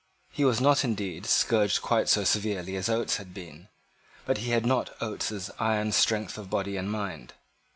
He was not, indeed, scourged quite so severely as Oates had been; but he had not Oates's iron strength of body and mind.